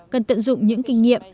cần tận dụng những kinh nghiệm